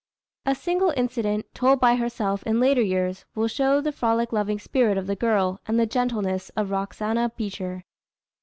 A single incident, told by herself in later years, will show the frolic loving spirit of the girl, and the gentleness of Roxana Beecher.